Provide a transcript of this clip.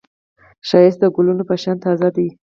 ښایست د ګلونو په شان تازه دی